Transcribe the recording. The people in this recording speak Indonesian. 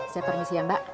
saya permisi ya mbak